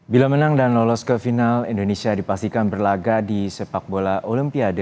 bila menang dan lolos ke final indonesia dipastikan berlaga di sepak bola olimpiade